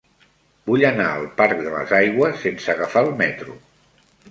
Vull anar al parc de les Aigües sense agafar el metro.